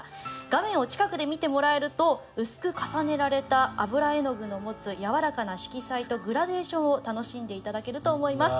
画面を近くで見てもらえると薄く重ねられた油絵の具の持つやわらかな色彩とグラデーションを楽しんで頂けると思います。